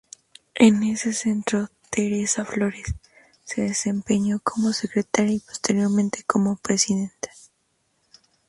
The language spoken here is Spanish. En ese Centro, Teresa Flores se desempeñó como secretaria y posteriormente como presidenta.